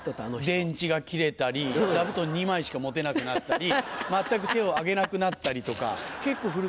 電池が切れたり座布団２枚しか持てなくなったり全く手を上げなくなったりとか結構古くなった人。